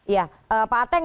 ya pak teng